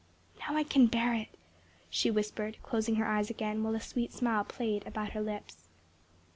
"Now I can bear it," she whispered, closing her eyes again, while a sweet smile played about her lips.